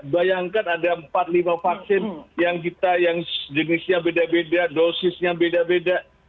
bayangkan ada empat lima vaksin yang kita yang jenisnya beda beda dosisnya beda beda